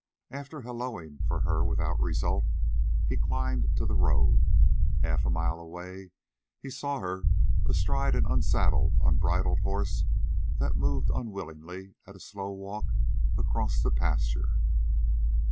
After helloing for her without result, he climbed to the road. Half a mile away, he saw her astride an unsaddled, unbridled horse that moved unwillingly, at a slow walk, across the pasture.